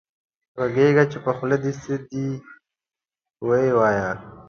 غږېږه چې په خولې دې څه دي وې وايه